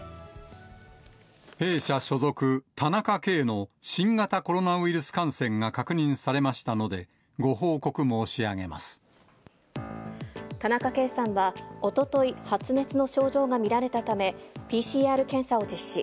弊社所属、田中圭の新型コロナウイルス感染が確認されましたので、ご報告申田中圭さんは、おととい、発熱の症状が見られたため、ＰＣＲ検査を実施。